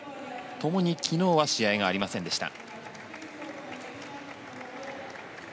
共に昨日は試合がありませんでした。